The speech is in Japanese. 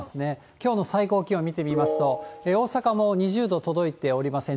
きょうの最高気温見てみますと、大阪も２０度届いておりません。